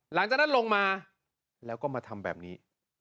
หลังจากนั้นลงมาแล้วก็มาทำแบบนี้